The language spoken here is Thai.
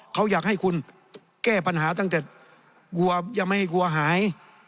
เขาอยากให้คุณแก้ปัญหาตั้งแต่กลัวยังไม่ให้กลัวหาย